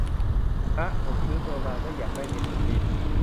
ฮะ ผมซื้อตัว มา ไม่อยากได้เมนูจีน